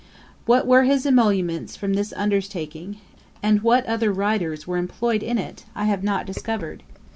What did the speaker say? What were his emoluments from this undertaking, and what other writers were employed in it, I have not discovered.